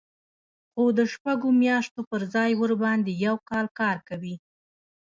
خو د شپږو میاشتو پر ځای ورباندې یو کال کار کوي